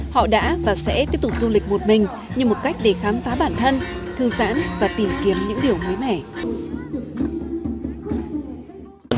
họ đã và sẽ tiếp tục du lịch một mình như một cách để khám phá bản thân thư giãn và tìm kiếm những điều mới mẻ